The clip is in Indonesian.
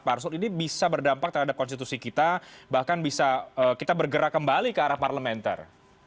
pak arsul ini bisa berdampak terhadap konstitusi kita bahkan bisa kita bergerak kembali ke arah parlementer